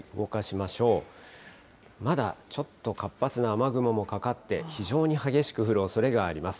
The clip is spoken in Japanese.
まだちょっと活発な雨雲もかかって、非常に激しく降るおそれがあります。